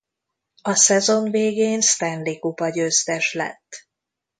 A szezon végén Stanley-kupa-győztes lett.